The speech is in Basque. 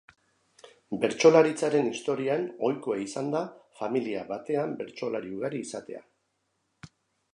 Bertsolaritzaren historian ohikoa izan da familia batean bertsolari ugari izatea.